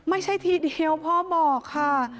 ไม่ใช่ทีเดียวพ่อบอกค่ะ